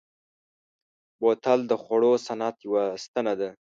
بوتل د خوړو صنعت یوه ستنه ده.